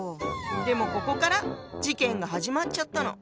でもここから事件が始まっちゃったの。